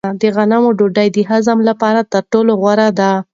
د غنمو ډوډۍ د هضم لپاره تر ټولو غوره ده.